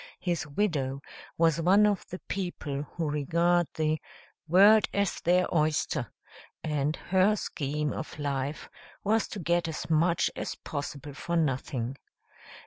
His widow was one of the people who regard the "world as their oyster," and her scheme of life was to get as much as possible for nothing.